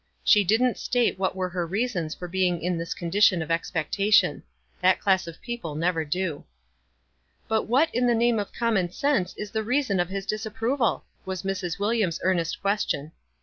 She didn't state what were her reasons for being in this condition of expectation. That class of people never do. ^"But what in the name of common sense is the reason of his disapproval?" was Mrs. Wil liams' earnest question. Mrs.